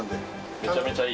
めちゃめちゃいい。